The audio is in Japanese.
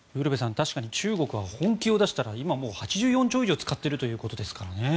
確かに中国は本気を出したら今、もう８４兆円以上使っているということですからね。